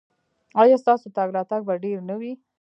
ایا ستاسو تګ راتګ به ډیر نه وي؟